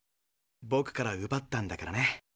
ぼくからうばったんだからね。